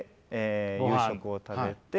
夕食を食べて。